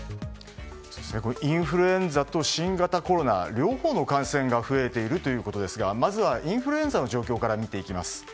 インフルエンザと新型コロナ両方の感染が増えているということですがまずはインフルエンザの状況から見ていきます。